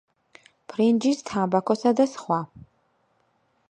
ბრინჯის, თამბაქოსა და სხვა.